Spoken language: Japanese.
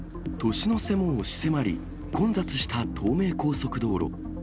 年の瀬も押し迫り、混雑した東名高速道路。